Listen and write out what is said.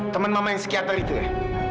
teman mama yang psikiater itu ya